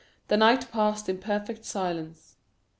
The night passed in perfect silence.